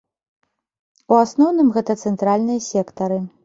У асноўным гэта цэнтральныя сектары.